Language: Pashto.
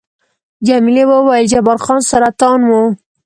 جميلې وويل:، جبار خان سرطان وو؟